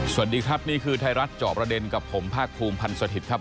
สวัสดีครับนี่คือไทยรัฐจอบประเด็นกับผมภาคภูมิพันธ์สถิตย์ครับ